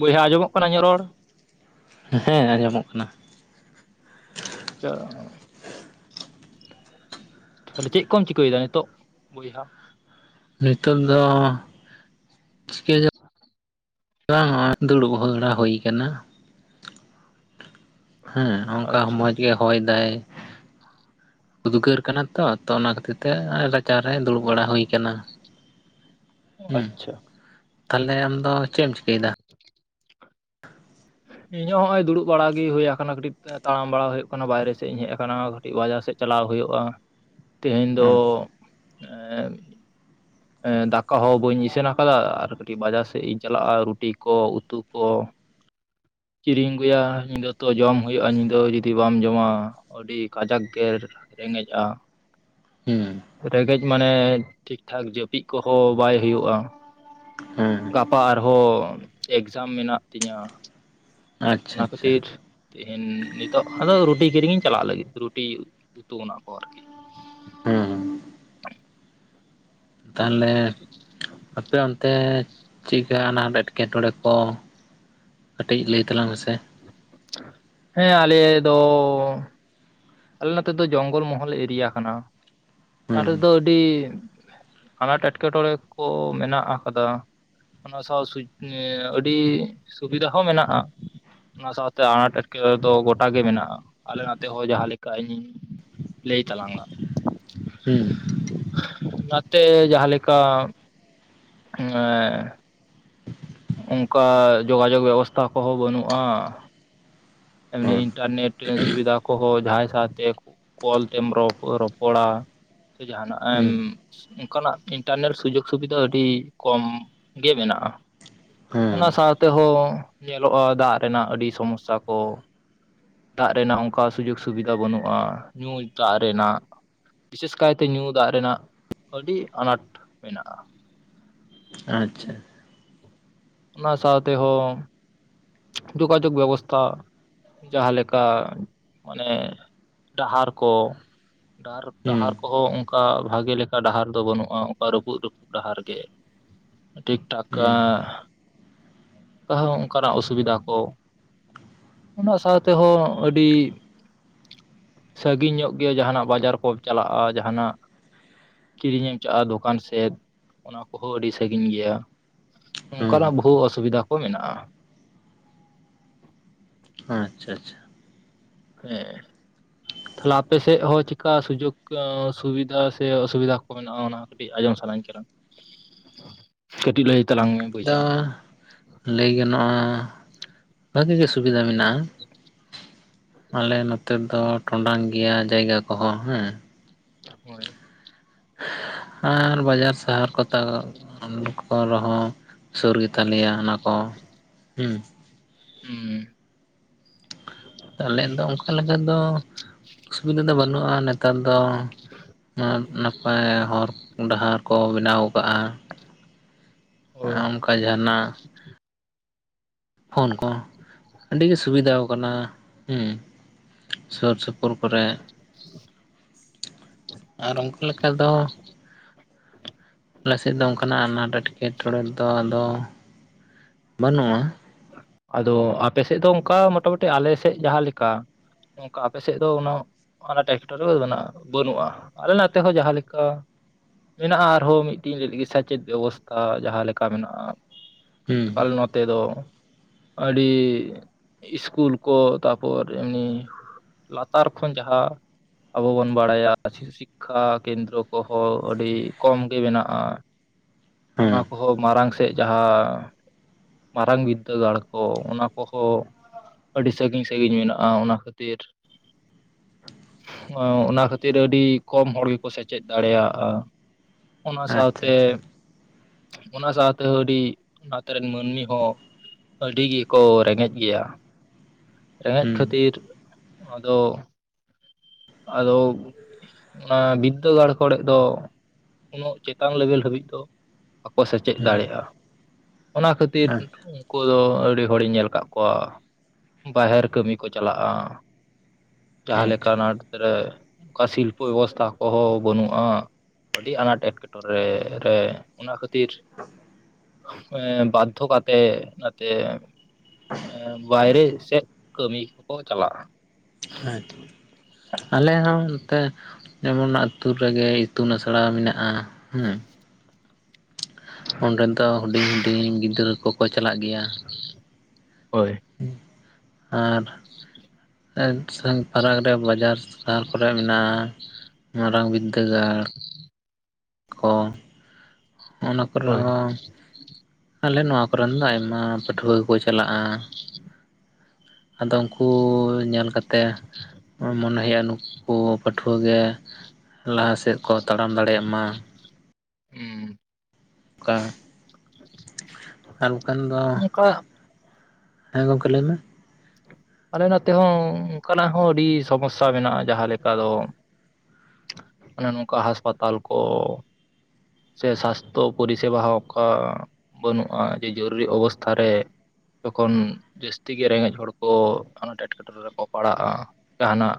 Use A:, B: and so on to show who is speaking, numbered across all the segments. A: ᱵᱚᱭᱦᱟ ᱟᱸᱡᱚᱢᱚᱜ ᱤᱧᱟᱜ ᱨᱚᱲ?
B: ᱦᱮᱸ ᱟᱸᱡᱚᱢᱚᱜ ᱠᱟᱱᱟ ᱾
A: ᱪᱟ ᱛᱟᱦᱚᱞᱮ ᱪᱮᱜ ᱠᱚᱢ ᱪᱤᱠᱟᱹᱭᱮᱫᱟ ᱱᱤᱛᱚᱜ ᱵᱚᱭᱦᱟ?
B: ᱱᱤᱛᱚᱜ ᱫᱚ ᱪᱤᱠᱟᱹ ᱡᱚ ᱵᱟᱝ ᱦᱚᱜᱼᱚᱭ ᱫᱩᱲᱩᱵ ᱦᱚᱲᱟ ᱦᱳᱭ ᱠᱟᱱᱟ ᱾ ᱦᱮᱸ ᱦᱚᱜᱼᱚᱝᱠᱟ
A: ᱟᱪᱪᱷᱟ
B: ᱢᱚᱡ ᱜᱮ ᱦᱚᱭ ᱫᱟᱭ, ᱩᱫᱽᱜᱟᱹᱨ ᱠᱟᱱᱟ ᱛᱚ ᱟᱨᱛᱚ ᱚᱱᱟ ᱠᱷᱟᱹᱛᱤᱨ ᱛᱮ ᱨᱟ ᱪᱟᱨᱮ ᱫᱩᱲᱩᱵ ᱵᱟᱲᱟ ᱦᱩᱭ ᱠᱟᱱᱟ ᱾ ᱦᱩᱸ,
A: ᱟᱪᱪᱷᱟ
B: ᱛᱟᱦᱞᱮ ᱟᱢ ᱫᱚ ᱪᱮᱜ ᱮᱢ ᱪᱤᱠᱟᱹᱭᱮᱫᱟ?
A: ᱤᱧ ᱦᱚᱸ ᱦᱚᱜᱼᱚᱭ ᱫᱩᱲᱩᱵ ᱵᱟᱲᱟ ᱜᱮ ᱦᱩᱭᱩᱭᱟ ᱠᱟᱱᱟ ᱠᱟᱹᱴᱤᱛ ᱛᱟᱲᱟᱢ ᱵᱟᱲᱟ ᱦᱳᱭᱳᱜ ᱠᱟᱱᱟ ᱵᱟᱭᱨᱮ ᱥᱮᱜ ᱤᱧ ᱦᱮᱡ ᱟᱠᱟᱱᱟ ᱾ ᱠᱟᱹᱴᱤᱡ ᱵᱟᱡᱟᱨ ᱥᱮᱫ ᱪᱟᱞᱟᱣ ᱦᱳᱭᱳᱜᱼᱟ, ᱛᱮᱦᱮᱱ ᱫᱚ
B: ᱦᱩᱸ
A: ᱮᱸᱢ ᱮᱸ ᱫᱟᱠᱟ ᱦᱚᱸ ᱵᱟᱹᱧ ᱤᱥᱤᱱ ᱟᱠᱟᱫᱟ ᱟᱨ ᱠᱟᱹᱴᱤᱡ ᱵᱟᱡᱟᱨ ᱥᱮᱜ ᱤᱧ ᱪᱟᱞᱟᱜᱼᱟ ᱨᱩᱴᱤ ᱠᱚ ᱩᱛᱩ ᱠᱚ ᱠᱤᱨᱤᱧ ᱟᱹᱜᱩᱭᱟ ᱧᱤᱫᱟᱹ ᱛᱚ ᱡᱚᱢ ᱦᱩᱭᱩᱜᱼᱟ ᱧᱤᱫᱟᱹ ᱡᱩᱫᱤ ᱵᱟᱢ ᱡᱚᱢᱟ ᱟᱹᱰᱤ ᱠᱟᱡᱟᱠ ᱜᱮᱨ ᱨᱮᱸᱜᱮᱡᱽᱼᱟ᱾
B: ᱦᱩᱸ,
A: ᱨᱮᱸᱜᱮᱡᱽ ᱢᱟᱱᱮ ᱴᱷᱤᱠ ᱴᱷᱟᱠ ᱡᱟᱹᱯᱤᱫ ᱠᱚᱦᱚᱸ ᱵᱟᱭ ᱦᱩᱭᱩᱜᱼᱟ᱾
B: ᱦᱮᱸ,
A: ᱜᱟᱯᱟ ᱟᱨᱦᱚ ᱮᱠᱡᱟᱢ ᱢᱮᱱᱟᱜ ᱛᱤᱧᱟᱹ,
B: ᱟᱪᱪᱷᱟ
A: ᱚᱱᱟ
B: ᱟᱪᱪᱷᱟ
A: ᱠᱷᱟᱹᱛᱤᱨ ᱛᱮᱦᱤᱧ ᱱᱤᱛᱚᱜ ᱟᱫᱚ ᱨᱩᱴᱤ ᱠᱤᱨᱤᱧ ᱤᱧ ᱪᱟᱞᱟᱜ ᱞᱟᱹᱜᱤᱫ ᱨᱩᱴᱤ, ᱩᱛᱩ ᱚᱱᱟ ᱠᱚ ᱟᱨᱠᱤ᱾
B: ᱦᱩᱸ ᱦᱩᱸ᱾ ᱛᱟᱦᱚᱞᱮ ᱟᱯᱮ ᱚᱱᱛᱮ ᱪᱮᱫᱠᱟ ᱟᱱᱟᱴ ᱮᱸᱴᱠᱮᱴᱚᱬᱮ ᱠᱚ ᱠᱟᱹᱴᱤᱡ ᱞᱟᱹᱭ ᱛᱟᱞᱟᱝ ᱢᱮᱥᱮ
A: ᱦᱮᱸ ᱟᱞᱮ ᱫᱚ ᱟᱞᱮ ᱱᱚᱛᱮ ᱫᱚ ᱡᱚᱝᱜᱚᱞ ᱢᱚᱦᱚᱞ ᱮᱨᱤᱭᱟ ᱠᱟᱱᱟ ᱟᱞᱮ
B: ᱦᱩᱸ
A: ᱫᱚ ᱟᱹᱰᱤ ᱟᱱᱟᱴ ᱮᱸᱴᱠᱮᱴᱚᱲᱮ ᱠᱚ ᱢᱮᱱᱟᱜ ᱟᱠᱟᱫᱟ᱾ ᱚᱱᱟ ᱥᱟᱶ ᱥᱩ ᱟᱹᱰᱤ ᱥᱩᱵᱤᱫᱷᱟ ᱦᱚᱸ ᱢᱮᱱᱟᱜᱼᱟ᱾ ᱚᱱᱟ ᱥᱟᱶᱛᱮ ᱟᱱᱟᱴ ᱮᱸᱴᱠᱮᱴᱚᱲᱮ ᱫᱚ ᱜᱚᱴᱟ ᱜᱮ ᱢᱮᱱᱟᱜᱼᱟ ᱟᱞᱮ ᱱᱚᱛᱮ ᱦᱚᱸ ᱡᱟᱦᱟᱸ ᱞᱮᱠ ᱠᱟ ᱤᱧᱤᱧ ᱞᱟᱹᱭ ᱛᱟᱞᱟᱝᱼᱟ᱾
B: ᱦᱩᱸ,
A: ᱥᱮ ᱡᱟᱦᱟᱸ ᱞᱮᱠᱟ ᱮᱸ ᱚᱝᱠᱟ ᱡᱳᱜᱟᱡᱳᱜ ᱵᱮᱵᱚᱥᱛᱟ ᱠᱚᱦᱚᱸ ᱵᱟᱹᱱᱩᱜᱼᱟ᱾ ᱮᱢᱱᱤ
B: ᱦᱩᱸ
A: ᱤᱱᱴᱟᱨᱱᱮᱴ ᱥᱩᱵᱤᱫᱟ ᱠᱚᱦᱚᱸ ᱡᱟᱦᱟᱸᱭ ᱥᱟᱶᱛᱮᱼᱼ ᱠᱚᱞ ᱛᱮᱢ ᱨᱚᱯᱚ ᱨᱚᱯᱚᱲᱟ ᱥᱮ ᱡᱟᱦᱟᱱᱟᱜ ᱮᱢᱼᱼ
B: ᱦᱩᱸ
A: ᱚᱝᱠᱟᱱᱟᱜ ᱤᱱᱴᱟᱨᱱᱮᱴ ᱥᱩᱡᱳᱜ ᱥᱩᱵᱤᱫᱟ ᱟᱰᱤ ᱠᱚᱢ ᱜᱮ ᱢᱮᱱᱟᱜᱼᱟ᱾
B: ᱦᱩᱸ
A: ᱚᱱᱟ ᱥᱟᱶ ᱛᱮᱦᱚᱸ ᱧᱮᱞᱚᱜᱼᱟ ᱫᱟᱜ ᱨᱮᱱᱟᱜ ᱟᱹᱰᱤ ᱥᱚᱢᱚᱥᱥᱟ ᱠᱚ᱾ ᱫᱟᱜ ᱨᱮᱱᱟᱜ ᱚᱱᱠᱟ ᱥᱩᱡᱳᱜ ᱥᱩᱵᱤᱫᱟ ᱵᱟᱹᱱᱩᱜᱼᱟ ᱧᱩ ᱫᱟᱜ ᱨᱮᱱᱟᱜ᱾ ᱵᱤᱥᱮᱥ ᱠᱟᱭᱛᱮ ᱧᱩ ᱫᱟᱜ ᱨᱮᱱᱟᱜ ᱟᱰᱤ ᱟᱱᱟᱴ ᱢᱮᱱᱟᱜᱼᱟ᱾
B: ᱟᱪᱪᱷᱟ
A: ᱚᱱᱟ ᱥᱟᱶᱛᱮ ᱦᱚᱸᱼᱼ ᱡᱳᱜᱟᱡᱳᱜ ᱵᱮᱵᱚᱥᱛᱷᱟᱼᱼ ᱡᱟᱦᱟᱸ ᱞᱮᱠᱟ ᱢᱟᱱᱮ ᱰᱟᱦᱟᱨ ᱠᱚᱼᱼ ᱰᱟᱦᱟᱨ
B: ᱦᱩᱸ
A: ᱰᱟᱦᱟᱨ ᱠᱚᱦᱚᱸ ᱚᱝᱠᱟ ᱵᱷᱟᱜᱮ ᱞᱮᱠᱟ ᱰᱟᱦᱟᱨ ᱫᱚ ᱵᱟᱹᱱᱩᱜᱼᱟ ᱚᱱᱠᱟ ᱨᱟᱹᱯᱩᱫ ᱨᱟᱹᱯᱩᱫ ᱰᱟᱦᱟᱨ ᱜᱮ᱾ ᱴᱷᱤᱠ ᱴᱷᱟᱠ
B: ᱦᱩᱸ
A: ᱟᱸ ᱛᱟᱦᱩ ᱚᱝᱠᱟ ᱚᱱᱠᱟᱱᱟᱜ ᱚ-ᱼ ᱥᱩᱵᱤᱫᱷᱟ ᱠᱚ ᱚᱱᱟ ᱥᱟᱶ ᱛᱮᱦᱚᱸ ᱟᱹᱰᱤᱼᱼ ᱥᱟᱹᱜᱤᱧ ᱧᱚᱜ ᱜᱮᱭᱟ ᱡᱟᱦᱟᱱᱟᱜ ᱵᱟᱡᱟᱨ ᱠᱚ ᱪᱟᱞᱟᱜᱼᱟ ᱡᱟᱦᱟᱱᱟᱜᱼᱼ ᱠᱤᱨᱤᱧ ᱮᱢ ᱪᱟᱜᱼᱟ ᱫᱚᱠᱟᱱ ᱥᱮᱫ ᱚᱱᱟ ᱠᱚᱦᱚᱸ ᱟᱹᱰᱤ ᱥᱟᱹᱜᱤᱧ ᱜᱮᱭᱟ᱾
B: ᱦᱩᱸ
A: ᱚᱜᱠᱟᱱᱟᱜ ᱵᱚᱦᱩ ᱚᱥᱩᱵᱤᱫᱟ ᱠᱚ ᱢᱮᱱᱟᱜᱼᱟ᱾
B: ᱟᱪᱪᱷᱟ ᱟᱪᱪᱷᱟ
A: ᱦᱮᱸ ᱛᱟᱦᱞᱮ ᱟᱯᱮ ᱥᱮᱫ ᱦᱚᱸ ᱪᱮᱠᱟ ᱟᱹ ᱥᱩᱡᱩᱜ ᱥᱩᱵᱤᱫᱟ ᱥᱮ ᱚᱥᱩᱵᱤᱫᱟ ᱠᱚ᱾ ᱢᱮᱱᱟᱜᱼᱟ ᱚᱱᱟ ᱠᱟᱹᱴᱤᱡ ᱟᱸᱡᱚᱢ ᱥᱟᱱᱟᱧ ᱠᱟᱱᱟ ᱠᱟᱹᱴᱤᱡ ᱞᱟᱹᱭ ᱛᱟᱞᱟᱝ ᱢᱮ᱾
B: ᱟᱫᱚ
A: ᱵᱚᱭᱦᱟ
B: ᱞᱟᱹᱭ ᱜᱟᱱᱚᱜᱼᱟ ᱵᱷᱟᱹᱜᱤ ᱜᱮᱼᱼ ᱥᱩᱵᱤᱫᱟ ᱢᱮᱱᱟᱜᱼᱟ ᱟᱞᱮ ᱱᱚᱛᱮ ᱫᱚ ᱴᱚᱰᱟᱝ ᱜᱮᱭᱟ ᱡᱟᱭᱜᱟ ᱠᱚᱦᱚᱸ ᱦᱮᱸ
A: ᱦᱳᱭ
B: ᱟᱨ ᱵᱟᱡᱟᱨ ᱥᱟᱦᱟᱨ ᱠᱚ ᱛᱟ ᱚᱱᱠᱟ ᱨᱮᱦᱚᱸ ᱥᱩᱨ ᱜᱮᱛᱟ ᱞᱮᱭᱟ ᱚᱱᱟ ᱠᱚ ᱦᱚᱸ ᱩᱸ
A: ᱦᱩᱸ
B: ᱟᱞᱮ ᱫᱚ ᱚᱝᱠᱟ ᱞᱮᱠᱟ ᱫᱚ ᱚᱥᱩᱵᱤᱫᱟ ᱫᱚ ᱵᱟᱹᱱᱩᱜᱼᱟ ᱱᱮᱛᱟᱨ ᱫᱚ᱾ ᱱᱟ ᱱᱟᱯᱟᱭ ᱦᱚᱨ ᱰᱟᱦᱟᱨ ᱠᱚ ᱵᱮᱱᱟᱣ ᱠᱟᱜᱼᱟ ᱟ
A: ᱦᱳᱭ
B: ᱚᱝᱠᱟ ᱡᱟᱸᱦᱟᱱᱟᱜ ᱯᱷᱳᱱ ᱠᱚ ᱟᱹᱰᱤ ᱜᱮ ᱥᱩᱵᱤᱫᱟᱣ ᱠᱟᱱᱟ ᱦᱩᱸ ᱥᱩᱨ ᱥᱩᱯᱩᱨ ᱠᱚᱨᱮ ᱟᱨ ᱚᱱᱠᱟ ᱞᱮᱠᱟ ᱫᱚ ᱟᱞᱮᱥᱮᱫ ᱫᱚ ᱚᱱᱠᱟᱱᱟᱜ ᱟᱱᱟᱴ ᱮᱴᱠᱮ ᱴᱚᱬᱮ ᱫᱚ ᱟᱫᱚ ᱵᱟᱹᱱᱩᱜᱼᱟ
A: ᱟᱫᱚ ᱟᱯᱮᱥᱮᱫ ᱫᱚ ᱚᱝᱠᱟ ᱢᱚᱴᱟ ᱢᱩᱴᱤ ᱟᱞᱮ ᱥᱮᱜ ᱡᱟᱦᱟᱸ ᱞᱮᱠᱟ ᱚᱝᱠᱟ ᱟᱯᱮᱥᱮᱫ ᱫᱚ ᱚᱱᱟᱹ ᱚᱱᱟ ᱴᱮᱠᱴᱚᱨ ᱨᱮᱫᱚ ᱢᱮᱱᱟᱜ-ᱟ ᱵᱟᱹᱱᱩᱜᱼᱟ ᱟᱞᱮ ᱞᱟᱛᱮ ᱦᱚᱸ ᱡᱟᱦᱟᱸᱮᱠᱟ ᱢᱮᱱᱟᱜᱼᱟ ᱟᱨᱦᱚᱸ ᱢᱤᱫᱴᱤᱧ [inaudible] ᱪᱮᱫ ᱵᱮᱵᱚᱥᱛᱷᱟ ᱡᱟᱦᱟᱸ ᱞᱮᱠᱟ ᱢᱮᱱᱟᱜᱼᱟ
B: ᱦᱩᱸ
A: ᱟᱞᱮ ᱱᱚᱛᱮ ᱫᱚ ᱟᱹᱰᱤ ᱥᱠᱩᱞ ᱠᱚ ᱛᱟᱨᱯᱚᱨ ᱮᱢᱱᱤ ᱞᱟᱛᱟᱨ ᱠᱷᱚᱱ ᱡᱟᱦᱟᱸ ᱟᱵᱚ ᱵᱚᱱ ᱵᱟᱲᱟᱭᱟ [inaudible] ᱥᱤᱠᱠᱷᱟ ᱠᱮᱱᱫᱨᱚ ᱠᱚᱦᱚᱸ ᱟᱹᱰᱤ ᱠᱚᱢ ᱜᱮ ᱢᱮᱱᱟᱜᱼᱟ ᱚᱱᱟ
B: ᱦᱩᱸ
A: ᱠᱚᱦᱚᱸ ᱢᱟᱨᱟᱝ ᱥᱮᱫ ᱡᱟᱦᱟᱸ ᱢᱟᱨᱟᱝ ᱵᱤᱫ ᱫᱟᱹᱜᱟᱲ ᱠᱚ ᱚᱱᱟ ᱠᱚᱦᱚᱸ ᱟᱹᱰᱤ ᱥᱟᱹᱜᱤᱧ ᱥᱟᱹᱜᱤᱧ ᱢᱮᱱᱟᱜᱼᱟ ᱚᱱᱟ ᱠᱷᱟᱹᱛᱤᱨ ᱚᱱᱟ ᱠᱷᱟᱹᱛᱤᱨ ᱟᱹᱰᱤ ᱠᱚᱢ ᱦᱚᱲ ᱜᱮᱠᱚ ᱥᱮᱪᱮᱫ ᱫᱟᱲᱮᱭᱟᱜᱼᱟ ᱚᱱᱟ
B: ᱟᱪᱪᱷᱟ
A: ᱥᱟᱶᱛᱮ
B: ᱟᱪᱪᱷᱟ
A: ᱚᱱᱟ ᱥᱟᱣᱛᱮ ᱟᱹᱰᱤ ᱦᱟᱛ ᱨᱮᱱ ᱢᱟᱹᱱᱢᱤ ᱦᱚᱸ ᱟᱹᱰᱤ ᱜᱮᱠᱚ ᱨᱮᱸᱜᱮᱡ ᱜᱮᱭᱟ ᱨᱮᱸᱜᱮᱡ
B: ᱦᱩᱸ
A: ᱠᱷᱟᱹᱛᱤᱨ ᱟᱫᱚ ᱟᱫᱚ ᱚᱱᱟ ᱵᱤᱫᱽᱫᱟᱹᱜᱟᱲ ᱠᱚᱲᱮᱜ ᱫᱚ ᱩᱱᱟᱹᱜ ᱪᱮᱛᱟᱱ ᱞᱮᱵᱮᱞ ᱦᱟᱹᱵᱤᱡ ᱫᱚ ᱵᱟᱠᱚ ᱥᱮᱪᱮᱫ
B: ᱦᱩᱸ
A: ᱫᱟᱲᱮᱭᱟᱜᱼᱟ ᱚᱱᱟ ᱠᱷᱟᱹᱛᱤᱨ
B: ᱟᱪᱪᱷᱟ
A: ᱠᱩ ᱫᱚ ᱟᱹᱰᱤ ᱦᱚᱲᱤᱧ ᱧᱮᱞ ᱟᱠᱟᱫ ᱠᱚᱣᱟ ᱵᱟᱦᱮᱨ ᱠᱟᱹᱢᱤ ᱠᱚ ᱪᱟᱞᱟᱜᱼᱟ᱾ ᱡᱟᱦᱟ ᱞᱮᱠᱟ
B: ᱟᱪᱪᱷᱟ
A: ᱟᱱᱟᱴ ᱨᱮ ᱚᱠᱟ ᱥᱤᱞᱯᱟᱹ ᱵᱮᱵᱚᱥᱛᱷᱟ ᱠᱚᱦᱚᱸ ᱵᱟᱹᱱᱩᱜᱼᱟ ᱟᱹᱰᱤ ᱟᱱᱟᱴ ᱮᱸᱴᱠᱮ ᱴᱚᱨᱮ ᱨᱮ ᱚᱱᱟ ᱠᱷᱟᱹᱛ ᱛᱤᱨ ᱵᱟᱫᱽᱫᱷᱚ ᱠᱟᱛᱮ ᱚᱱᱟᱛᱮ ᱵᱟᱭᱨᱮ ᱥᱮᱫ ᱠᱟᱹᱢᱤ ᱠᱚᱠᱚ ᱪᱟᱞᱟᱜᱼᱟ
B: ᱟᱪᱪᱷᱟ ᱟᱞᱮ ᱦᱚᱸ ᱚᱱᱛᱮ ᱡᱮᱢᱚᱱ ᱟᱹᱛᱩ ᱨᱮᱜᱮ ᱤᱛᱩᱱ ᱟᱥᱲᱟ ᱢᱮᱱᱟᱜᱼᱟ ᱦᱩᱸ ᱚᱸᱰᱮ ᱫᱚ ᱦᱩᱰᱤᱧ ᱦᱩᱰᱤᱧ ᱜᱤᱫᱽᱨᱟᱹ ᱠᱚᱠᱚ ᱪᱟᱞᱟᱜ ᱜᱮᱭᱟ
A: ᱦᱳᱭ᱾
B: ᱦᱩᱸ ᱟᱨ
A: [inaudible]
B: [inaudible] ᱯᱟᱨᱟᱠ ᱨᱮ ᱵᱟᱡᱟᱨ ᱥᱟᱦᱟᱨ ᱠᱚᱨᱮ ᱢᱮᱱᱟᱜᱼᱟ᱾ ᱢᱟᱨᱟᱝ ᱵᱤᱫᱽᱫᱟᱹᱜᱟᱲ ᱠᱚ ᱚᱱᱟ ᱠᱚᱨᱮ
A: ᱦᱳᱭ
B: ᱱᱟᱜ ᱦᱚᱸ ᱟᱞᱮ ᱱᱚᱣᱟ ᱠᱚᱨᱮᱱ ᱫᱚ ᱟᱭᱢᱟ ᱯᱟᱹᱴᱷᱩᱣᱟᱹ ᱜᱮᱠᱚ ᱪᱟᱞᱟᱜᱼᱟ᱾ ᱟᱫᱚ ᱩᱱᱠᱩ ᱧᱮᱞ ᱠᱟᱛᱮᱜ ᱢᱚᱱᱮ ᱦᱩᱭᱩᱜᱼᱟ ᱱᱩᱠ ᱠᱩ ᱯᱟᱹᱴᱷᱣᱟᱹ ᱜᱮ ᱞᱟᱦᱟ ᱥᱮᱫ ᱠᱚ ᱛᱟᱲᱟᱢ ᱫᱟᱲᱮᱭᱟᱜ ᱢᱟ
A: ᱦᱩᱸ
B: ᱠᱟ ᱟᱨ ᱰᱟᱠᱷᱟᱱ ᱫᱚ
A: ᱚᱱᱠᱟ
B: ᱦᱮᱸ ᱜᱚᱝᱠᱮ ᱞᱟᱹᱭ ᱢᱮ
A: ᱟᱞᱮ ᱱᱛᱮ ᱦᱚᱸ ᱚᱱᱠᱟᱱᱟᱜ ᱦᱚᱸ ᱟᱹᱰᱤ ᱥᱚᱢᱚᱥᱟ ᱢᱮᱱᱟᱜᱼᱟ ᱡᱟᱦᱟᱸ ᱞᱮᱠᱟ ᱫᱚ ᱚᱱᱮ ᱱᱚᱝᱠᱟ ᱦᱟᱥᱯᱟᱛᱟᱞ ᱠᱚ ᱥᱮ ᱥᱟᱥᱛᱷᱚ ᱯᱚᱨᱤᱥᱮᱵᱟ ᱦᱚ. ᱚᱱᱠᱟ ᱵᱟᱹᱱᱩᱜᱼᱟ ᱡᱮ ᱡᱚᱨᱩᱨᱤ ᱚᱵᱚᱥᱛᱷᱟ ᱨᱮ ᱡᱚᱠᱷᱚᱱ ᱡᱟᱹᱥᱛᱤ ᱜᱮ ᱨᱮᱸᱜᱮᱡ ᱦᱚᱲ ᱠᱚ ᱟᱱᱟᱴ ᱮᱴᱠᱮ ᱴᱚᱬᱮ ᱨᱮᱠᱚ ᱯᱟᱲᱟᱜᱼᱟ ᱡᱟᱦᱟᱱᱟᱜ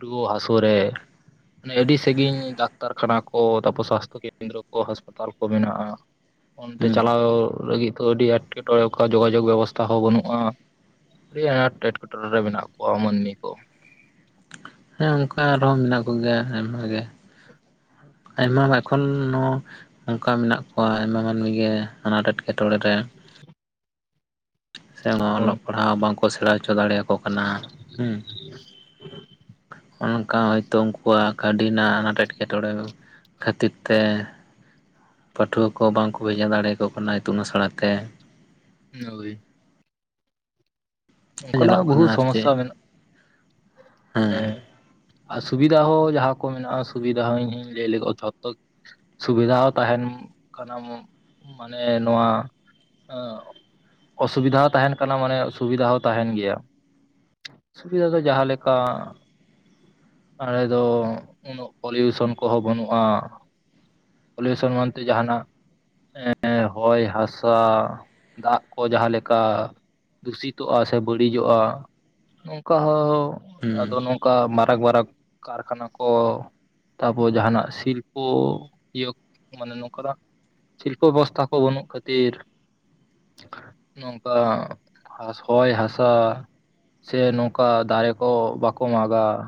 A: ᱨᱩᱣᱟᱹ ᱦᱟᱹᱥᱩ ᱨᱮ ᱚᱱᱮ ᱟᱹᱰᱤ ᱥᱟᱺᱜᱤᱧ ᱰᱟᱠᱛᱟᱨ ᱠᱷᱟᱱᱟ ᱠᱚ ᱛᱟᱯᱚᱨ ᱥᱟᱥᱛᱚ ᱠᱮᱱᱫᱨᱚ ᱠᱚ ᱦᱟᱥᱯᱟᱛᱟᱞ ᱠᱚ ᱢᱮᱱᱟᱜᱼᱟ᱾ ᱚᱱᱛᱮ
B: ᱦᱩᱸ
A: ᱪᱟᱞᱟᱣ ᱞᱟᱹᱜᱤᱫ ᱫᱚ ᱟᱹᱰᱤ ᱮᱴᱠᱮ ᱴᱚᱬᱮ ᱡᱳᱜᱟᱡᱳᱜᱽ ᱵᱮᱵᱚᱥᱛᱟ ᱦᱚᱸ ᱵᱟᱹᱱᱩᱜᱼᱟ᱾ ᱟᱹᱰᱤ ᱟᱴ ᱮᱴᱠᱮᱴᱚᱬᱮ ᱨᱮ ᱢᱮᱱᱟᱜ ᱠᱚᱣᱟ ᱢᱟᱹᱱᱢᱤ ᱠᱚ᱾
B: ᱦᱮᱸ ᱚᱱᱠᱟ ᱟᱨᱦᱚᱸ ᱢᱮᱱᱟᱜ ᱠᱚᱜᱮᱭᱟ ᱟᱭᱢᱟ ᱜᱮ ᱠᱷᱚᱱ ᱦᱚᱸ ᱚᱱᱠᱟ ᱢᱮᱱᱟᱜ ᱠᱚᱣᱟ ᱟᱭᱢᱟ ᱢᱟᱱᱢᱤ ᱜᱮ ᱟᱱᱟᱴ ᱮᱴᱠᱮᱴᱚᱬᱮ ᱨᱮ᱾ ᱥᱮ ᱚᱞᱚᱜ ᱯᱟᱲᱦᱟᱜ ᱦᱚᱸ ᱵᱟᱝᱠᱚ ᱥᱮᱬᱟ ᱦᱚᱪᱚ ᱫᱟᱲᱮᱭᱟᱠᱚ ᱠᱟᱱᱟ ᱦᱮᱸ᱾ ᱚᱱᱠᱟ ᱦᱚᱭᱛᱳ ᱩᱱᱠᱩᱣᱟᱜ ᱠᱟᱹᱣᱰᱤ ᱨᱮᱱᱟᱜ ᱟᱱᱟᱴ ᱮᱸᱴᱠᱮᱴᱚᱬᱮ ᱫᱚ ᱠᱷᱟᱹᱛᱤᱨ ᱛᱮ ᱯᱟᱹᱴᱷᱩᱣᱟᱹ ᱠᱚ ᱵᱟᱝᱠᱚ ᱵᱷᱮᱡᱟ ᱫᱟᱲᱮᱭᱟᱠᱚ ᱠᱟᱱᱟ ᱤᱛᱩᱱ ᱟᱥᱲᱟ ᱛᱮ᱾
A: ᱳᱭ᱾ ᱚᱱᱠᱟᱱᱟᱜ
B: ᱧᱮᱞᱚᱜ
A: ᱦᱚᱸ ᱵᱚᱦᱩᱛ
B: ᱠᱟᱱᱟ ᱟᱨ ᱪᱮᱫ
A: ᱥᱚᱢᱚᱥᱥᱟ ᱢᱮᱱᱟᱜᱼᱟ᱾ ᱦᱮᱸ ᱟᱨ ᱚᱥᱩᱵᱤᱫᱷᱟ ᱦᱚᱸ ᱡᱟᱦᱟᱸ ᱠᱚ ᱢᱮᱱᱟᱜᱼᱟ ᱚᱥᱩᱵᱤᱫᱷᱟ ᱦᱚᱸ ᱤᱧᱤᱧ ᱞᱟᱹᱭ ᱞᱟᱹᱜᱤᱫ ᱡᱷᱚᱛᱚ ᱥᱩᱵᱤᱫᱷᱟ ᱦᱚᱸ ᱛᱟᱦᱮᱱ ᱠᱟᱱᱟ ᱢᱟᱱᱮ ᱱᱚᱣᱟ ᱚᱥᱩᱵᱤᱫᱷᱟ ᱛᱟᱦᱮᱱ ᱠᱟᱱᱟ ᱢᱟᱱᱮ ᱥᱩᱵᱤᱫᱷᱟ ᱦᱚᱸ ᱛᱟᱦᱮᱱ ᱜᱮᱭᱟ ᱾᱾ [inaudible] ᱥᱩᱵᱤᱫᱟ ᱫᱚ ᱡᱟᱦᱟᱸ ᱞᱮ ᱠᱟ ᱟᱞᱮ ᱫᱚ ᱩᱱᱟᱹᱜ ᱯᱚᱞᱤᱭᱩᱥᱚᱱ ᱠᱚᱦᱚᱸ ᱵᱟᱹᱱᱩᱜ-ᱟ ᱾ ᱯᱚᱞᱤᱭᱩᱥᱚᱱ ᱵᱟᱝ ᱛᱮ ᱡᱟᱸᱦᱟᱱᱟᱜ ᱮ ᱦᱚᱭ ᱦᱟᱸᱥᱟ ᱫᱟᱜ ᱠᱚ ᱡᱟᱦᱟᱸ ᱞᱮᱠᱟ ᱫᱩᱥᱤᱛᱚᱜ-ᱟ ᱥᱮ ᱵᱟᱹᱲᱤᱡᱚᱜ-ᱟ [inaudible] ᱱᱚᱝᱠᱟ ᱦᱚᱸ ᱟᱫᱚ
B: ᱦᱩᱸ
A: ᱱᱚᱝᱠᱟ ᱢᱟᱨ ᱯᱷᱟᱨᱟᱠ ᱵᱟᱨᱟᱠ ᱠᱟᱨᱠᱷᱟᱱᱟ ᱠᱚ ᱛᱟᱯᱚᱨ ᱡᱟᱦᱟᱱᱟᱜ ᱥᱤᱞᱯᱚ ᱠᱚ ᱤᱭᱟᱹ ᱢᱟᱱᱮ ᱱᱚᱝᱠᱟᱱᱟᱜ ᱥᱤᱞᱯᱚ ᱵᱮᱚᱥᱛᱷᱟ ᱠᱚ ᱵᱟᱹᱱᱩᱜ ᱠᱷᱟᱹᱛᱤᱨ ᱱᱚᱝᱠᱟ ᱦᱚᱭ ᱦᱟᱥᱟ ᱥᱮ ᱱᱚᱝᱠᱟ ᱫᱟᱨᱮ ᱠᱚ ᱵᱟᱠᱚ ᱢᱟᱜᱟ ᱾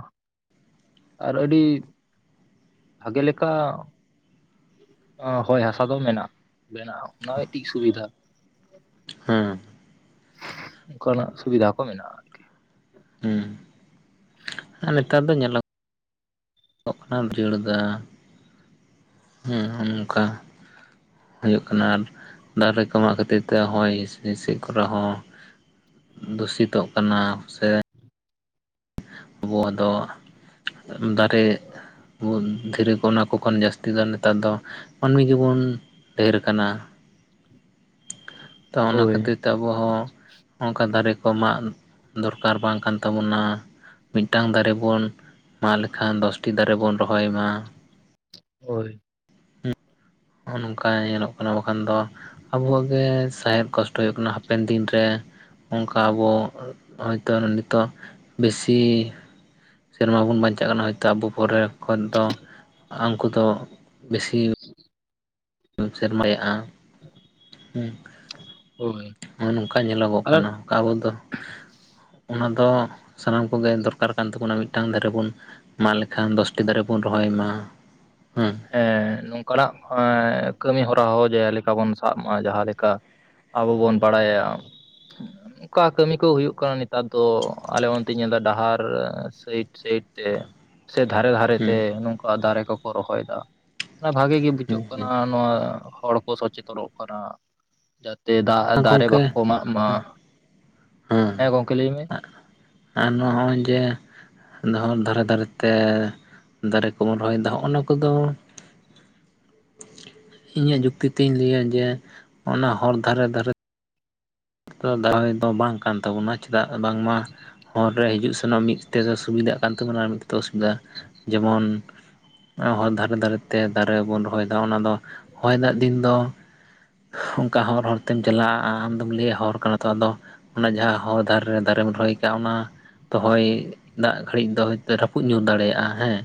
A: ᱟᱨ ᱟᱹᱰᱤ ᱵᱷᱟᱜᱮ ᱞᱮᱠᱟ ᱟᱸ ᱦᱚᱭ ᱦᱟᱥᱟ ᱫᱚ ᱢᱮᱱᱟᱜ-ᱟ ᱢᱮᱱᱟᱜ-ᱟ ᱚᱱᱟ ᱢᱤᱫᱴᱤᱡ ᱥᱩᱵᱤᱫᱷᱟ ᱾
B: ᱦᱮᱸ
A: [inaudible] ᱚᱱᱠᱟᱱᱟᱜ ᱥᱩᱵᱤᱫᱟ ᱠᱚ ᱢᱮᱱᱟᱜ-ᱟ ᱟᱨᱠᱤ ᱾
B: ᱦᱩᱸ ᱟᱨ ᱱᱮᱛᱟᱨ ᱫᱚ ᱧᱮᱞᱚᱜᱚᱜ [inaudible] ᱠᱟᱱᱟ [unintelligible] ᱮᱫᱟ ᱦᱮᱸ ᱦᱮᱸ ᱱᱚᱝᱠᱟ [inaudible] ᱦᱩᱭᱩᱜ ᱠᱟᱱᱟ ᱟᱨ ᱫᱟᱨᱮ ᱠᱚ ᱢᱟᱜ ᱠᱷᱟᱹᱛᱤᱨ ᱛᱮ ᱦᱚᱭ ᱦᱤᱸᱥᱤᱫ ᱠᱚᱨᱮ ᱦᱚᱸ ᱫᱩᱥᱤᱛᱚᱜ ᱠᱟᱱᱟ ᱥᱮ ᱟᱵᱚᱣᱟᱜ ᱫᱚ [inaudible] ᱫᱟᱨᱮ ᱫᱷᱤᱨᱤ ᱠᱚ ᱚᱱᱟ ᱠᱚ ᱠᱷᱚᱱ ᱡᱟᱹᱥᱛᱤ ᱫᱚ ᱱᱮᱛᱟᱨ ᱫᱚ ᱢᱟᱹᱱᱢᱤ ᱜᱮᱵᱚᱱ ᱰᱷᱮᱨ ᱟᱠᱟᱱᱟ ᱾
A: [inaudible]
B: [inaudible] ᱛᱚ ᱚᱱᱟ
A: ᱦᱳᱭ
B: ᱠᱷᱟᱹᱛᱤᱨ ᱟᱵᱚ ᱦᱚᱸ ᱱᱚᱝᱠᱟ ᱫᱟᱨᱮ ᱠᱚ ᱢᱟᱜ ᱫᱚᱨᱠᱟᱨ ᱵᱟᱝ ᱠᱟᱱ ᱛᱟᱵᱚᱱᱟ ᱾ ᱢᱤᱫᱴᱟᱝ ᱫᱟᱨᱮ ᱵᱚᱱ ᱢᱟᱜ ᱞᱮᱠᱷᱟᱱ ᱫᱚᱥᱴᱤ ᱫᱟᱨᱮ ᱵᱚᱱ ᱨᱚᱦᱚᱭ ᱢᱟ ᱾
A: ᱦᱳᱭ ᱾
B: ᱱᱚᱜ-ᱚᱭ ᱱᱚᱝᱠᱟ ᱧᱮᱞᱚᱜ ᱠᱟᱱᱟ ᱵᱟᱠᱷᱟᱱ ᱫᱚ ᱟᱵᱚᱣᱟᱜ ᱜᱮ ᱥᱟᱦᱮᱫ ᱦᱩᱭᱩᱜ ᱠᱟᱱᱟ ᱦᱟᱯᱮᱱ ᱫᱤᱱ ᱨᱮ ᱚᱱᱠᱟ ᱟᱵᱚ ᱦᱚᱭᱛᱚ ᱱᱤᱛᱚᱜ ᱵᱮᱥᱤ ᱥᱮᱨᱢᱟ ᱵᱚᱱ ᱵᱟᱧᱪᱟᱜ ᱠᱟᱱᱟ ᱦᱚᱭᱛᱚ ᱟᱵᱚ ᱯᱚᱨᱮ ᱠᱷᱚᱱ ᱫᱚ ᱩᱱᱠᱩ ᱫᱚ ᱵᱮᱥᱤ
A: [inaudible]
B: ᱥᱮᱨᱢᱟᱭᱟᱜ-ᱟ [inaudible] ᱦᱩᱸ
A: ᱦᱳᱭ
B: [inaudible] ᱱᱚᱜ-ᱱᱚᱝᱠᱟ ᱧᱮᱞᱚᱜᱚᱜ
A: ᱟᱨ
B: ᱠᱟᱱᱟ ᱾ ᱟᱵᱚ ᱫᱚ [inaudible] ᱚᱱᱟ ᱫᱚ ᱥᱟᱱᱟᱢ ᱠᱚᱜᱮ ᱫᱚᱨᱠᱟᱨ ᱠᱟᱱ ᱛᱟᱵᱚᱱᱟ ᱢᱤᱫᱴᱟᱝ ᱫᱟᱨᱮ ᱵᱚᱱ ᱢᱟᱜ ᱞᱮᱠᱷᱟᱱ ᱫᱚᱥᱴᱤ ᱫᱟᱨᱮ ᱵᱚᱱ ᱨᱚᱦᱚᱭ ᱢᱟ [inaudible] ᱦᱮᱸ ᱾
A: ᱦᱮᱸ ᱱᱚᱝᱠᱟᱱᱟᱜ ᱠᱟᱹᱢᱤ ᱦᱚᱨᱟ [unintelligible] ᱡᱮᱞᱮᱠᱟ ᱵᱚᱱ ᱥᱟᱵ ᱢᱟ ᱡᱟᱦᱟᱸ ᱞᱮᱠᱟ ᱟᱵᱚ ᱵᱚᱱ ᱵᱟᱲᱟᱭᱟ [inaudible] ᱚᱠᱟ ᱠᱟᱹᱢᱤ ᱠᱚ ᱦᱩᱭᱩᱜ ᱠᱟᱱᱟ ᱱᱮᱛᱟᱨ ᱫᱚ ᱟᱞᱮ ᱚᱱᱛᱮᱧ ᱧᱮᱞ ᱮᱫᱟ ᱰᱟᱦᱟᱨ ᱥᱟᱭᱤᱰ ᱥᱟᱭᱤᱰ ᱛᱮ ᱥᱮ ᱫᱷᱟᱨᱮ ᱫᱷᱟᱨᱮ ᱛᱮ
B: ᱦᱮᱸ
A: ᱱᱚᱝᱠᱟ ᱫᱟᱨᱮ ᱠᱚᱠᱚ ᱨᱚᱦᱚᱭ ᱮᱫᱟ ᱚᱱᱟ ᱵᱷᱟᱜᱮ ᱜᱮ ᱵᱩᱡᱷᱟᱹᱜ ᱠᱟᱱᱟ
B: ᱦᱮᱸ
A: ᱾ ᱱᱚᱣᱟ ᱦᱚᱲ ᱠᱚ ᱥᱚᱪᱮᱛᱚᱱᱚᱜ ᱠᱟᱱᱟ [inaudible] ᱡᱟ ᱛᱮ ᱫᱟᱜ
B: ᱦᱮᱸ
A: ᱫᱟᱨᱮ
B: ᱜᱚᱝᱠᱮ
A: ᱵᱟᱠᱚ ᱮᱢᱟᱜ ᱢᱟ [inaudible] ᱦᱮᱸ ᱜᱚᱝᱠᱮ ᱞᱟᱹᱭ ᱢᱮ ᱾
B: ᱟᱨ ᱱᱚᱜ-ᱚᱭ ᱡᱮ ᱰᱟᱦᱟᱨ ᱫᱷᱟᱨᱮ ᱫᱷᱟᱨᱮ ᱛᱮ ᱫᱟᱨᱮ ᱠᱚᱵᱚᱱ ᱨᱚᱦᱚᱭᱮᱫᱟ ᱦᱚᱜ-ᱱᱟ ᱠᱚᱫᱚ
A: [inaudible]
B: ᱤᱧᱟᱹᱜ ᱡᱩᱠᱛᱤ ᱛᱤᱧ ᱞᱟᱹᱭᱟ ᱡᱮ ᱚᱱᱟ ᱦᱚᱨ ᱫᱷᱟᱨᱮ ᱫᱷᱟᱨᱮ ᱫᱚᱦᱚᱭ ᱫᱚ ᱵᱟᱝ ᱠᱟᱱ ᱛᱟᱵᱚᱱᱟ ᱪᱮᱫᱟᱜ ᱵᱟᱝᱢᱟ ᱦᱚᱨ ᱨᱮ ᱦᱤᱡᱩᱜ ᱾ ᱢᱤᱫ ᱛᱮᱫᱚ ᱥᱩᱵᱤᱫᱷᱟᱜ ᱠᱟᱱ ᱛᱟᱵᱚᱱᱟ ᱟᱨ ᱢᱤᱫᱮᱫᱚ ᱚᱥᱩᱵᱤᱫᱟ ᱡᱮᱢᱚᱱ ᱦᱚᱨ ᱫᱷᱟᱨᱮ ᱫᱷᱟᱨᱮ ᱛᱮ ᱫᱟᱨᱮ ᱵᱚᱱ ᱨᱚᱦᱚᱭ ᱚᱱᱟ ᱫᱚ ᱦᱚᱭ ᱫᱟᱜ ᱫᱤᱱ ᱫᱚ ᱚᱱᱠᱟ ᱦᱚᱨ ᱦᱚᱨ ᱛᱮᱢ ᱪᱟᱞᱟᱜᱼᱟ ᱟᱢᱫᱢ ᱞᱟᱹᱭᱼᱟ ᱦᱚᱨ᱾ ᱠᱟᱱᱟ ᱛᱚ ᱟᱫᱚ ᱚᱱᱟ ᱡᱟᱦᱟᱸ ᱦᱚᱨ ᱫᱷᱟᱨᱮ ᱫᱟᱨᱮᱢ ᱨᱚᱦᱚᱭ ᱟᱠᱟᱜᱼᱟ ᱚᱱᱟ ᱛᱚ ᱦᱚᱭ ᱫᱟᱜ ᱜᱷᱟᱹᱲᱤᱡ ᱫᱚ ᱦᱭᱛ ᱨᱟᱹᱯᱩᱫ ᱧᱩ ᱫᱟᱲᱮᱭᱟᱜᱼᱟ ᱦᱮᱸ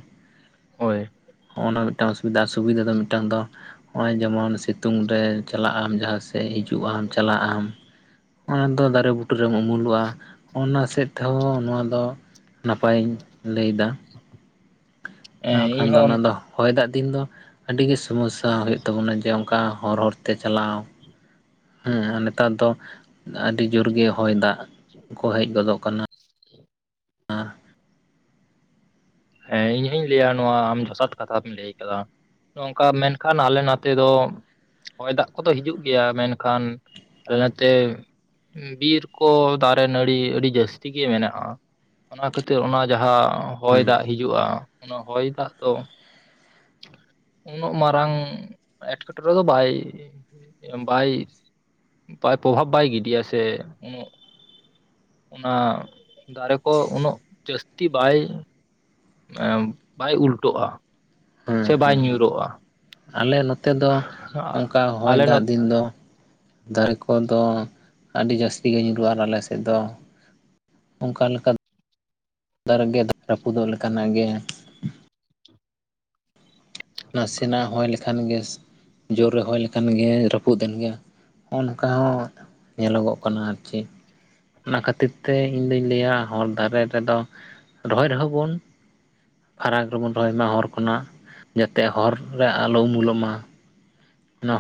A: ᱦᱳᱭ
B: ᱦᱚᱜᱼᱚᱭ ᱱᱚᱣᱟ ᱢᱤᱫᱴᱟᱝ ᱚᱥᱩᱵᱤᱫᱟ ᱟᱨ ᱥᱩᱵᱤᱫᱷᱟ ᱫᱚ ᱢᱤᱫᱴᱟᱝ ᱫᱚ ᱱᱚᱜᱼᱚᱭ ᱡᱮᱢᱚᱱ ᱥᱤᱛᱩᱝ ᱨᱮ ᱪᱟᱞᱟᱜ ᱡᱟᱦᱟᱸᱥᱮᱫ ᱦᱤᱡᱩᱜ ᱟᱢ ᱪᱟᱞᱟᱜ ᱟᱢ ᱚᱱᱟ ᱫᱚ ᱫᱟᱨᱮ ᱵᱩᱴᱟᱹᱨᱮᱢ ᱩᱢᱩᱞᱚᱜᱼᱟ ᱚᱱᱟ ᱥᱮᱫ ᱛᱮᱦᱚᱸ ᱱᱚᱣᱟ ᱫᱚ ᱱᱟᱯᱟᱭᱤᱧ ᱞᱟᱹᱭ ᱮᱫᱟ
A: ᱦᱮᱸ
B: ᱟᱨ ᱠᱷᱟᱱ ᱫᱚ
A: ᱤᱧᱦᱚᱸ
B: ᱚᱱᱟ ᱫᱚ ᱦᱚᱭ ᱫᱟᱜ ᱫᱤᱱ ᱫᱚ ᱟᱹᱰᱤ ᱜᱮ ᱥᱳᱢᱚᱥᱥᱟ ᱦᱩᱭᱩᱜ ᱛᱟᱵᱚᱱᱟ ᱡᱮ ᱚᱱᱠᱟ ᱦᱚᱨ ᱦᱚᱨ ᱛᱮ ᱪᱟᱞᱟᱣ᱾ ᱦᱮᱸ ᱟᱨ ᱱᱮᱛᱟᱨ ᱫᱚ ᱟᱹᱰᱤ ᱡᱳᱨ ᱜᱮ ᱦᱚᱭ ᱫᱟᱜ ᱠᱚ ᱦᱮᱡ ᱜᱚᱫᱚᱜ ᱠᱟᱱᱟ
A: ᱦᱮᱸ ᱤᱧ ᱦᱚᱧ ᱞᱟᱹᱭᱟ ᱱᱚᱣᱟ ᱟᱢ ᱡᱚᱥᱷᱟᱛ ᱠᱟᱛᱷᱟᱢ ᱞᱟᱹᱭ ᱠᱟᱫᱟ ᱱᱚᱝᱠᱟ ᱢᱮᱱᱠᱷᱟᱱ ᱟᱞᱮ ᱱᱚᱛᱮ ᱫᱚ ᱦᱚᱜᱭ ᱫᱟᱜ ᱠᱚᱫᱚ ᱦᱤᱡᱩᱜ ᱜᱮᱭᱟ ᱢᱮᱱᱠᱷᱟᱱ ᱟᱞᱮ ᱱᱟᱛᱮ ᱵᱤᱨ ᱠᱚ ᱫᱟᱨᱮ ᱱᱟᱹᱲᱤ ᱟᱹᱰᱤ ᱡᱟᱹᱥᱛᱤ ᱜᱮ ᱢᱮᱱᱟᱜᱼᱟ ᱚᱱᱟ ᱠᱷᱟᱹᱛᱤᱨ ᱚᱱᱟ ᱡᱟᱦᱟᱸ ᱦᱚᱭ
B: ᱦᱮᱸ
A: ᱫᱟᱜ ᱦᱤᱡᱩᱜᱼᱟ ᱚᱱᱟ ᱦᱚᱭ ᱫᱟᱜ ᱫᱚ ᱩᱱᱟᱹᱜ ᱢᱟᱨᱟᱝ ᱮᱴᱠᱮᱴᱚᱬᱮ ᱫᱚ ᱵᱟᱭ ᱵᱟᱭ ᱵᱟᱭ ᱯᱨᱚᱵᱵᱽ ᱵᱟᱭ ᱜᱤᱰᱤ ᱥᱮ ᱩᱱᱟᱜ ᱚᱱᱟ ᱫᱟᱨᱮ ᱠᱚ ᱩᱱᱟᱹᱜ ᱡᱟᱹᱥᱛᱤ ᱵᱟᱭ ᱵᱟᱭ ᱩᱞᱴᱚᱜᱼᱟ
B: ᱦᱮᱸ
A: ᱥᱮ ᱵᱟᱭ
B: ᱦᱮᱸ ᱦᱮᱸ
A: ᱧᱩᱨᱩᱜᱼᱟ
B: ᱟᱞᱮ ᱱᱚᱛᱮ ᱫᱚ ᱚᱱᱠᱟ ᱦᱚᱭ
A: ᱟᱞᱮ
B: ᱫᱟᱜ
A: ᱱᱚᱛ
B: ᱫᱤᱱ ᱫᱚ ᱫᱟᱨᱮ ᱠᱚᱫᱚ ᱟᱹᱰᱤ ᱡᱟᱹᱥᱛᱤ ᱜᱮ ᱧᱩᱨᱦᱩᱜᱼᱟ ᱟᱨ ᱟᱞᱮ ᱥᱮᱫ ᱫᱚ ᱚᱱᱠᱟ ᱞᱮᱠᱟ ᱫᱟᱨᱮᱜᱮ ᱨᱟᱹᱯᱩᱫᱚᱜ ᱞᱮᱠᱟᱱᱟᱜ ᱜᱮ ᱱᱟᱥᱮᱱᱟᱜ ᱦᱚᱭ ᱞᱮᱠᱷᱟᱱ ᱜᱮ ᱡᱳᱨ ᱨᱮ ᱦᱚᱭ ᱞᱮᱠᱷᱟᱱ ᱜᱮ ᱨᱟᱹᱯᱩᱫ ᱮᱱ ᱜᱮ ᱦᱚᱸᱜᱼ ᱱᱚᱝᱠᱟ ᱦᱚᱸ ᱧᱮᱞᱚᱜᱚᱜ ᱠᱟᱱᱟ ᱟᱨ ᱪᱮ ᱚᱱᱟ ᱠᱷᱟᱹᱛᱤᱨ ᱛᱮ ᱤᱧ ᱫᱩᱧ ᱞᱟᱹᱭᱟ ᱦᱚᱨ ᱫᱷᱟᱨᱮ ᱨᱮᱫᱚ ᱨᱚᱦᱚᱭ ᱨᱮᱦᱚᱸ ᱵᱚᱱ ᱯᱷᱟᱨᱟᱠ ᱨᱮᱵᱚᱱ ᱨᱚᱦᱚᱭ ᱢᱟ ᱦᱚᱨ ᱠᱷᱚᱱᱟᱜ ᱡᱟᱛᱮ ᱦᱚᱨ ᱨᱮ ᱟᱞᱚ ᱩᱢᱩᱞᱚᱜ ᱢᱟ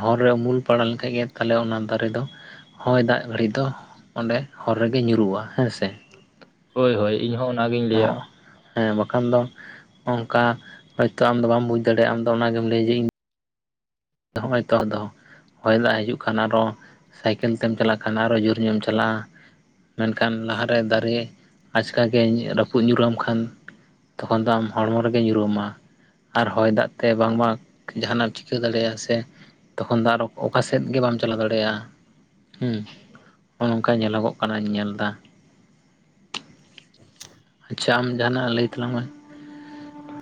B: ᱦᱚᱨ ᱨᱮ ᱩᱢᱩᱞ ᱯᱟᱲᱟᱣ ᱞᱮᱠᱷᱟᱡ ᱜᱮ ᱛᱟᱦᱚᱞᱮ ᱚᱱᱟ ᱫᱟᱨᱮ ᱫᱚ ᱦᱚᱭ ᱫᱟᱜ ᱜᱷᱟᱹᱲᱤ ᱫᱚ ᱚᱸᱰᱮ ᱦᱚᱨ ᱨᱮᱜᱮ ᱧᱩᱨᱩᱜᱼᱟ ᱦᱮᱸ ᱥᱮ
A: ᱦᱳᱭ ᱦᱳᱭ ᱚᱱᱟᱜᱤᱧ ᱞᱟᱹᱭᱟ
B: ᱦᱮᱸ ᱵᱟᱠᱷᱟᱱ ᱫᱚ ᱚᱱᱠᱟ ᱦᱚᱭᱛᱚ ᱟᱢ ᱫᱚ ᱵᱟᱢ ᱵᱩᱡ ᱫᱟᱲᱮᱭᱟᱜᱼᱟ ᱟᱢᱫᱚ ᱚᱱᱟᱜᱮᱢ ᱞᱟᱹᱭ ᱡᱮ ᱤᱧ ᱦᱚᱜᱼᱚᱭ ᱛᱚ ᱟᱫ ᱦᱚᱭ ᱫᱟᱜ ᱦᱤᱡᱩᱜ ᱠᱷᱟᱱ ᱟᱨᱚ ᱥᱟᱭᱠᱮᱞ ᱛᱮᱢ ᱪᱟᱞᱟᱜ ᱠᱷᱟᱱ ᱟᱨᱚ ᱡᱳᱨ ᱧᱚᱜ ᱮᱢ ᱪᱟᱞᱟᱜᱼᱟ ᱢᱮᱱᱠᱷᱟᱱ ᱞᱟᱦᱟᱨᱮ ᱫᱟᱨᱮ ᱟᱪᱠᱟᱜᱮ ᱨᱟᱹᱯᱩᱫ ᱧᱩᱨᱢ ᱠᱷᱟᱱ ᱛᱚᱠᱷᱚᱱ ᱫᱚ ᱟᱢ ᱦᱚᱲᱢᱚ ᱨᱮᱜᱮ ᱧᱩᱨ ᱟᱢᱟ᱾ ᱟᱨ ᱦᱚᱭ ᱫᱟᱜ ᱛᱮ ᱵᱟᱝᱢᱟ ᱡᱟᱦᱟᱱᱟᱜ ᱮᱢ ᱪᱤᱠᱟᱹ ᱫᱟᱲᱮᱭᱟᱜᱼᱟ ᱥᱮ᱾ ᱛᱮ ᱛᱚᱠᱷᱚᱱ ᱟᱨ ᱚᱠᱟᱥᱮᱫ ᱜᱮ ᱵᱟᱢ ᱪᱟᱞᱟᱣ ᱫᱟᱲᱮᱭᱟᱜᱼᱟ᱾ ᱦᱩ ᱦᱚᱸᱜ ᱱᱚᱜ-ᱚ ᱱᱚᱝᱠᱟ ᱧᱮᱞᱚᱜᱚᱜ ᱠᱟᱱᱟᱹᱧ ᱧᱮᱞ ᱫᱟ᱾
A: [unintelligible]
B: ᱟᱪᱪᱷᱟ ᱟᱢ ᱡᱟᱦᱟᱱᱟᱜ ᱞᱟᱹᱭ ᱛᱟᱞᱟᱝ ᱢᱮ?